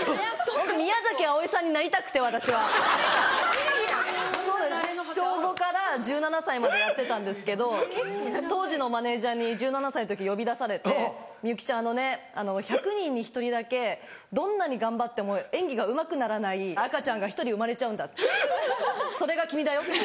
宮あおいさんになりたくて私は。小５から１７歳までやってたんですけど当時のマネジャーに１７歳の時呼び出されて「幸ちゃんあのね１００人に１人だけどんなに頑張っても演技がうまくならない赤ちゃんが１人生まれちゃうんだそれが君だよ」